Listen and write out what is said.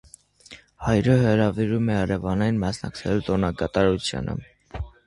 Հայրը հրավիրում է հարևաններին մասնակցելու տոնակատարությանը։